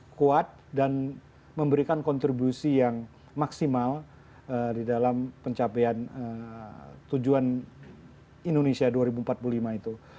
kuat dan memberikan kontribusi yang maksimal di dalam pencapaian tujuan indonesia dua ribu empat puluh lima itu